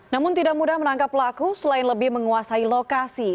namun tidak mudah menangkap pelaku selain lebih menguasai lokasi